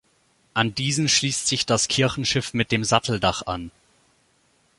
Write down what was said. An diesen schließt sich das Kirchenschiff mit dem Satteldach an.